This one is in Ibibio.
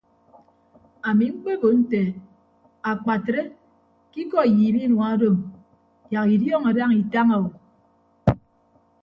Ami mkpebo nte akpatre ke ikọ iyiip inua odoom yak idiọọñọ daña itaña o.